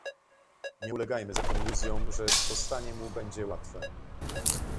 Nie ulegajmy zatem iluzjom, że sprostanie mu będzie łatwe